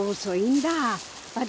私